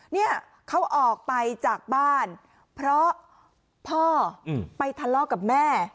เนี่ยเขาออกไปจากบ้านเพราะพ่อไปทะเลาะกับแม่